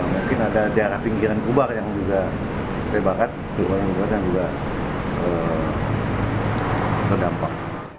mungkin ada di arah pinggiran kubar yang juga terdampak